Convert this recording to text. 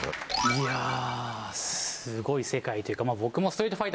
いやすごい世界というか。